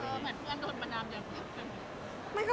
เออเหมือนเพื่อนโดนประนามเดียวกัน